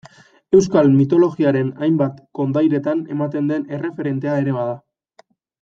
Euskal mitologiaren hainbat kondairetan ematen den erreferentea ere bada.